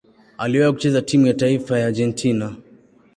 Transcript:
Aliwahi kucheza timu ya taifa ya Argentina.